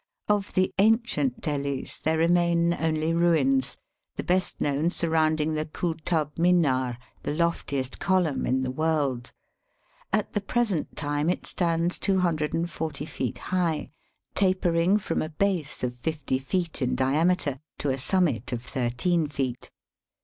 Of the ancient Delhis there remain only ruins, the best known surrounding the Kootub Minar, the loftiest column in the world. At the present time it stands 240 feet high, Digitized by VjOOQIC 296 EAST BY WEST. tapering from a base of fifty feet in diameter to a summit of thirteen feet.